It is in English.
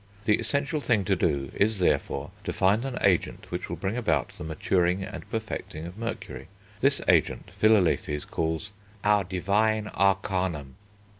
The essential thing to do is, therefore, to find an agent which will bring about the maturing and perfecting of Mercury. This agent, Philalethes calls "Our divine Arcanum."